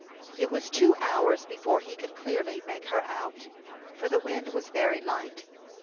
It was two hours before he could clearly make her out, for the wind was very light.